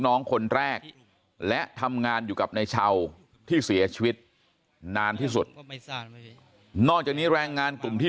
น้องคนแรกและทำงานอยู่กับนายเช่าที่เสียชีวิตนานที่สุดนอกจากนี้แรงงานกลุ่มที่